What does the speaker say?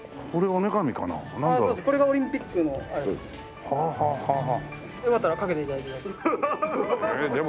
これがオリンピックのあれです。